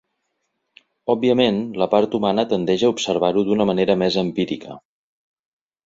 Òbviament, la part humana tendeix a observar-ho d'una manera més empírica.